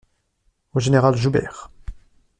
Au général Joubert.